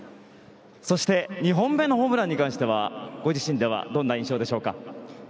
そして２本目のホームランに関してはご自身ではどんな印象でしょうか。